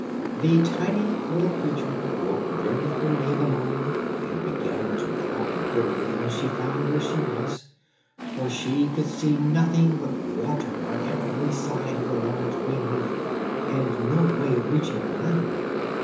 The tiny little creature woke very early in the morning, and began to cry bitterly when she found where she was, for she could see nothing but water on every side of the large green leaf, and no way of reaching the land.